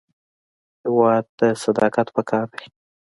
هېواد ته صداقت پکار دی